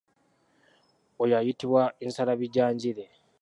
Oyo ayitibwa nsalabijanjire.